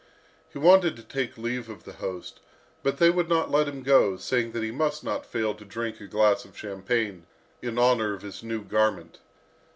He wanted to take leave of the host, but they would not let him go, saying that he must not fail to drink a glass of champagne, in honour of his new garment.